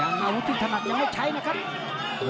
อาวุธที่ถนัดยังไม่ใช้นะครับ